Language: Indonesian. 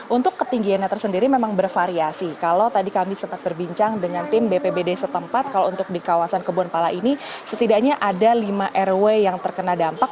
untuk ketinggiannya tersendiri memang bervariasi kalau tadi kami sempat berbincang dengan tim bpbd setempat kalau untuk di kawasan kebun pala ini setidaknya ada lima rw yang terkena dampak